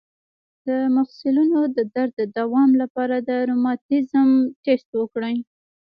د مفصلونو د درد د دوام لپاره د روماتیزم ټسټ وکړئ